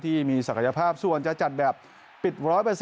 ที่มีศักยภาพส่วนจะจัดแบบปิด๑๐๐